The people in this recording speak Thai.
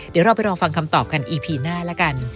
เดี๋ยวเราไปรอฟังคำตอบกันอีพีหน้าแล้วกัน